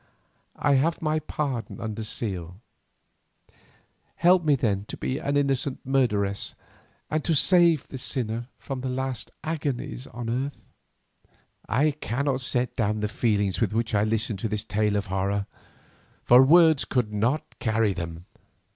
I have my pardon under seal. Help me then to be an innocent murderess, and to save this sinner from her last agonies on earth." I cannot set down the feelings with which I listened to this tale of horror, for words could not carry them.